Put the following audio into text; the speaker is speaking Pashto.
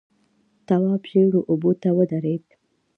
تواب ژېړو اوبو ته ودرېد.